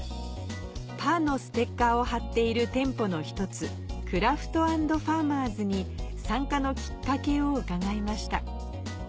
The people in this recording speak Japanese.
「パ」のステッカーを貼っている店舗の１つＣＲＡＦＴ＆ＦＡＲＭＥＲＳに参加のきっかけを伺いました